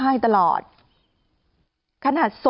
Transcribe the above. ไปเยี่ยมผู้แทนพระองค์